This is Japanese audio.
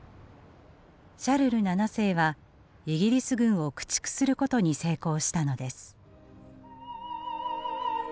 シャルル七世はイギリス軍を駆逐することに成功したのです。